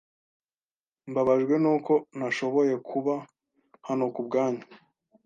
Mbabajwe nuko ntashoboye kuba hano kubwanyu.